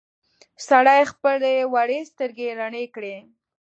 سړي خپلې وړې سترګې رڼې کړې.